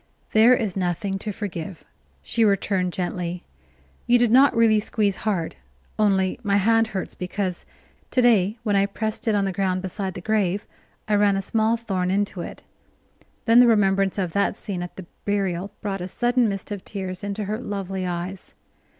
"There is nothing to forgive," she returned gently. "You did not really squeeze hard, only my hand hurts, because to day when I pressed it on the ground beside the grave I ran a small thorn into it." Then the remembrance of that scene at the burial brought a sudden mist of tears into her lovely eyes.